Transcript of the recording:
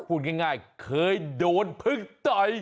พูดง่ายเคยโดนพึ่งต่อย